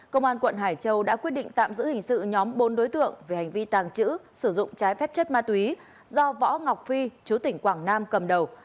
công an quận hải châu đã quyết định tạm giữ hình sự nhóm bốn đối tượng về hành vi tàng trữ sử dụng trái phép chất ma túy do võ ngọc phi chú tỉnh quảng nam cầm đầu